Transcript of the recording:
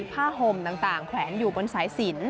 ผ้าห่มต่างแขวนอยู่บนสายสิน